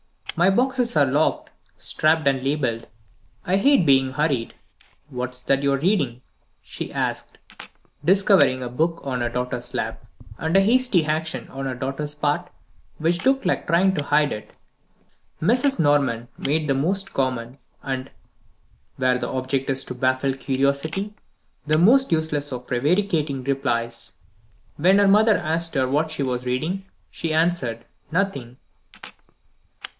"My boxes are locked, strapped and labeled; I hate being hurried. What's that you're reading?" she asked, discovering a book on her daughter's lap, and a hasty action on her daughter's part, which looked like trying to hide it. Mrs. Norman made the most common, and where the object is to baffle curiosity the most useless of prevaricating replies. When her mother asked her what she was reading she answered: "Nothing."